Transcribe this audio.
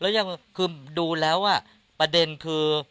แล้วยังคือดูแล้วประเด็นคือ